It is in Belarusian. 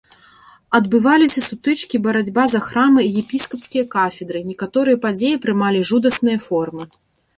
Адбываліся сутычкі, барацьба за храмы і епіскапскія кафедры, некаторыя падзеі прымалі жудасныя формы.